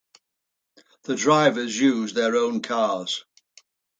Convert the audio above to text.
The drivers use their own cars.